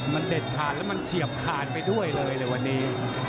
มันเด็ดขาดแล้วมันเฉียบขาดไปด้วยเลยวันนี้